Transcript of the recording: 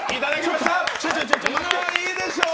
まぁ、いいでしょう。